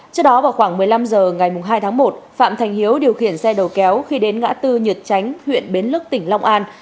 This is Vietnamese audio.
trước đó vào khoảng một mươi năm h ngày hai tháng một phạm thành hiếu điều khiển xe đầu kéo khi đến ngã tư nhật tránh huyện bến lức tỉnh long an